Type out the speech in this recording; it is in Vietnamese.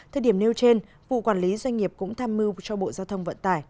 thời điểm nêu trên vụ quản lý doanh nghiệp cũng tham mưu cho bộ giao thông vận tải